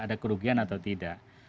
ada kerugian atau tidak